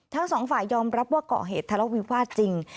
ทั้งสองฝ่ายยอมรับว่าเกาะเหตุธรรมวิวาสจริง